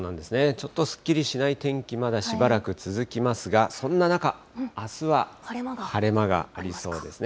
ちょっとすっきりしない天気、まだしばらく続きますが、そんな中、あすは晴れ間がありそうですね。